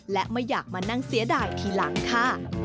และไม่อยากมานั่งเสียดายทีหลังค่ะ